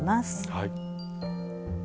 はい。